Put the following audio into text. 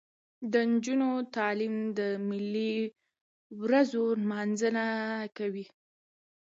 د نجونو تعلیم د ملي ورځو نمانځنه کوي.